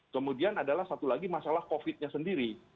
kemudian adalah satu lagi masalah covid nya sendiri